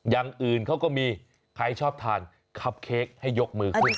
อย่างอื่นเขาก็มีใครชอบทานคับเค้กให้ยกมือขึ้น